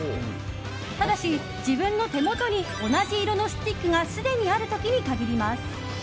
ただし、自分の手元に同じ色のスティックがすでにある時に限ります。